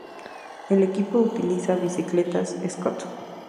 El equipo utiliza bicicletas "Scott".